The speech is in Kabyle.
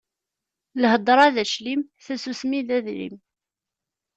Lhedṛa d aclim, tasusmi d adrim.